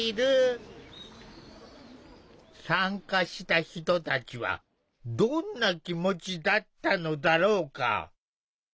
参加した人たちはどんな気持ちだったのだろうか？